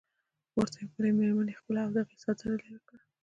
ورته بلې مېرمنې خپله او د هغې څادري لرې کړه.